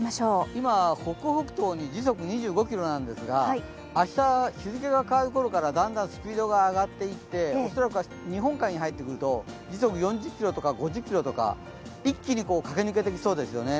今、北北東に時速２５キロなんですが、明日、日付が変わるころからだんだんスピードが上がっていって恐らく日本海側に入ってくると時速４０キロとか５０キロとか一気に駆け抜けていきそうですよね。